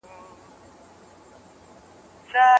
د خلګو مهارتونه پراخ سوي وو.